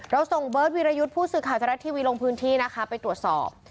ส่งเบิร์ตวิรยุทธ์ผู้สื่อข่าวทรัฐทีวีลงพื้นที่นะคะไปตรวจสอบ